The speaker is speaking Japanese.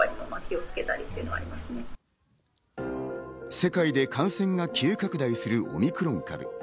世界で感染が急拡大するオミクロン株。